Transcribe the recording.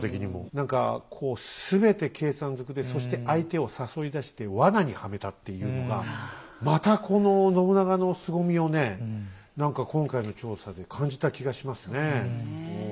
何かこう全て計算ずくでそして相手を誘い出してワナにはめたっていうのがまたこの信長のすごみをね何か今回の調査で感じた気がしますね。